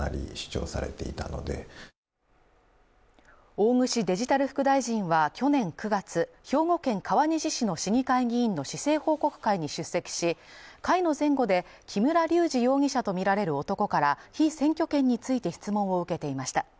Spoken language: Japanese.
大串デジタル副大臣は去年９月、兵庫県川西市の市議会議員の市政報告会に出席し、会の前後で、木村隆二容疑者とみられる男から被選挙権について質問を受けていました。